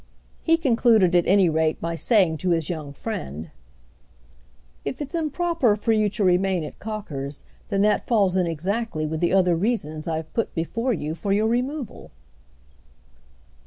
He concluded at any rate by saying to his young friend: "If it's improper for you to remain at Cocker's, then that falls in exactly with the other reasons I've put before you for your removal."